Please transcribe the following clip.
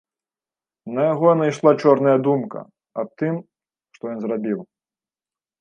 На яго найшла чорная думка аб тым, што ён зрабіў.